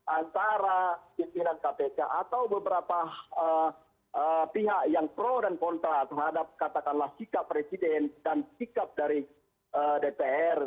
antara pimpinan kpk atau beberapa pihak yang pro dan kontra terhadap katakanlah sikap presiden dan sikap dari dpr